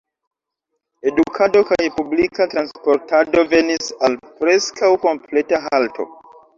Edukado kaj publika transportado venis al preskaŭ kompleta halto.